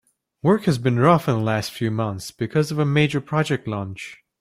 Work has been rough in the last few months because of a major project launch.